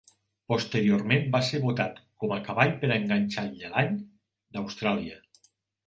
Posteriorment va ser votat com a cavall per a enganxall de l'any d'Austràlia.